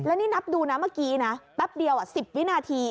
นี่นับดูนะเมื่อกี้นะแป๊บเดียว๑๐วินาที